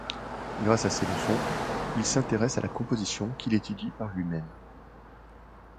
Grâce à ces leçons, il s'intéresse à la composition qu'il étudie par lui-même.